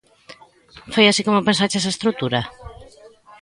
Foi así como pensaches a estrutura?